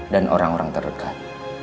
dan orang orang terdekat